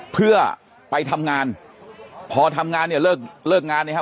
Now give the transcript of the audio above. เพื่อไปทำงานพอทำงานเนี่ยเลิกเลิกงานเนี่ยฮะ